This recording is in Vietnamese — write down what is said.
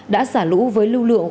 đã xả lũ với lưu lượng